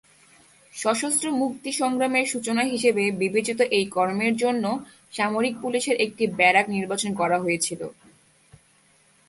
সশস্ত্র মুক্তি সংগ্রামের সূচনা হিসেবে বিবেচিত এই কর্মের জন্য সামরিক পুলিশের একটি ব্যারাক নির্বাচন করা হয়েছিল।